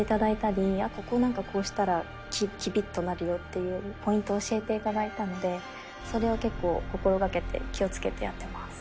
あとこうしたらキビッとなるよっていうポイントを教えていただいたのでそれを結構心掛けて気を付けてやってます。